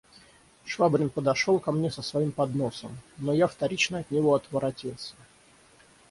Швабрин подошел ко мне с своим подносом; но я вторично от него отворотился.